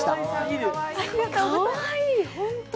かわいい、本当に。